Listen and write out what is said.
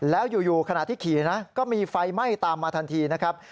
แล้วอยู่ขณะที่ขี่นะก็มีไฟไหม้ตามมาทันทีนะครับ